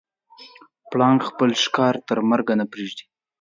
پړانګ خپل ښکار تر مرګه نه پرېږدي.